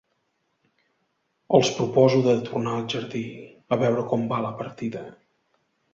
Els proposo de tornar al jardí, a veure com va la partida.